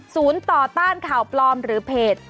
ต่อต้านข่าวปลอมหรือเพจ